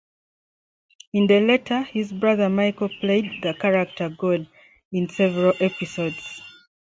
In the latter, his brother Michael played the character "God" in several episodes.